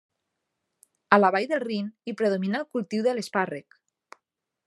A la vall del Rin hi predomina el cultiu de l'espàrrec.